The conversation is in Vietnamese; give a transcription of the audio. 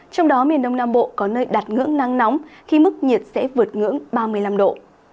trong đó miền đông nam bộ có nơi đạt ngưỡng nắng nóng khi mức nhiệt sẽ vượt ngưỡng ba mươi năm độ